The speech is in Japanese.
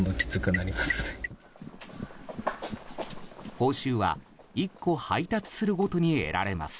報酬は、１個配達するごとに得られます。